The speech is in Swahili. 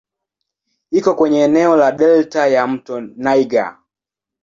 Iko kwenye eneo la delta ya "mto Niger".